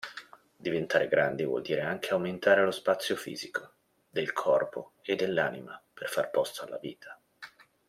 Diventare grandi vuol dire anche aumentare lo spazio fisico, del corpo e dell'anima per fare posto alla vita.